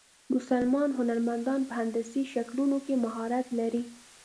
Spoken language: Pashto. مسلمان هنرمندان په هندسي شکلونو کې مهارت لري.